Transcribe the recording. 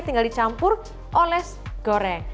tinggal dicampur oles goreng